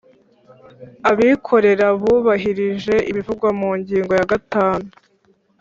Abikorera bubahirije ibivugwa mu ngingo ya gatanu